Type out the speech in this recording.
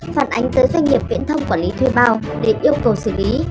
phản ánh tới doanh nghiệp viễn thông quản lý thuê bao để yêu cầu xử lý